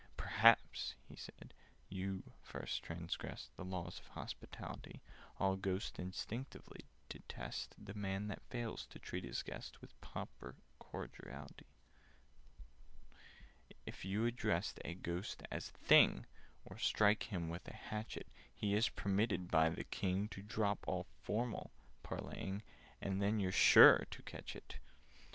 "Perhaps," he said, "you first transgressed The laws of hospitality: All Ghosts instinctively detest The Man that fails to treat his guest With proper cordiality. [Picture: And then you're sure to catch it ...] "If you address a Ghost as 'Thing!' Or strike him with a hatchet, He is permitted by the King To drop all formal parleying— And then you're sure to catch it!